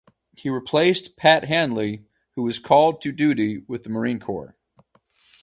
He replaced Pat Hanley who was called to duty with the Marine Corps.